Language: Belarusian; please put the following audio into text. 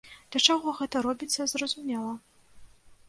Для чаго гэта робіцца, зразумела.